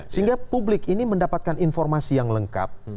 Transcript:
sehingga publik ini mendapatkan informasi yang lengkap